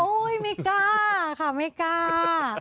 ไม่กล้าค่ะไม่กล้า